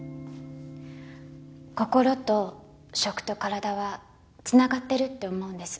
心と食と体は繋がってるって思うんです。